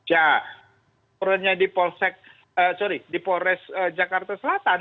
ya laporannya di polsek sorry di polres jakarta selatan